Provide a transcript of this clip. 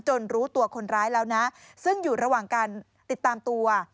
รู้ตัวคนร้ายแล้วนะซึ่งอยู่ระหว่างการติดตามตัว